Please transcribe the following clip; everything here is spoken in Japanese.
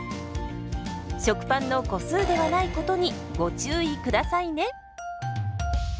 食パンの個数ではないことにご注意下さいね。